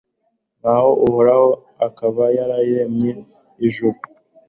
naho uhoraho akaba yararemye ijuru